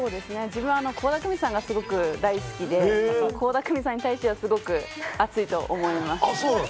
倖田來未さんが大好きで、倖田來未さんに対してはすごくアツいと思います。